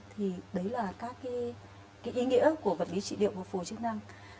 thì đấy là các ý nghĩa của vật lý trị liệu phù hợp chức năng